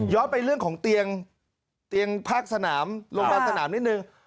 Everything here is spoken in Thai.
ไปเรื่องของเตียงภาคสนามโรงพยาบาลสนามนิดนึง